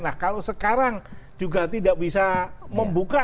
nah kalau sekarang juga tidak bisa membuka